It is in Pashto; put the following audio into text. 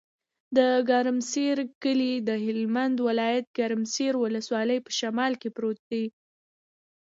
د ګرمسر کلی د هلمند ولایت، ګرمسر ولسوالي په شمال کې پروت دی.